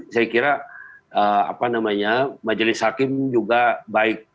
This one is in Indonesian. saya kira apa namanya majelis hakim juga baik